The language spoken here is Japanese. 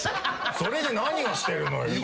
それで何をしてるのよ。